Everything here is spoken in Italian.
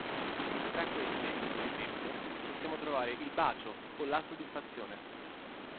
Tra queste, per esempio, possiamo trovare "Il bacio" o "La soddisfazione".